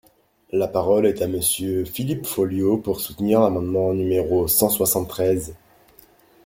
La parole est à Monsieur Philippe Folliot, pour soutenir l’amendement numéro cent soixante-treize.